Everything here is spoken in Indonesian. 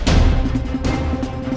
jangan jangan jangan jangan